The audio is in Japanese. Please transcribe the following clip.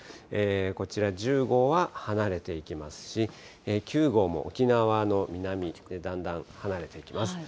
こちら１０号は離れていきますし、９号も沖縄の南で、だんだん離れていきます。